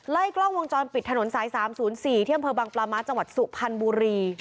ไล่กล้องวงจรปิดถนนซ้ายสามศูนย์สี่เที่ยวเผลอบางปรามะจังหวัดสุพรรณบุรี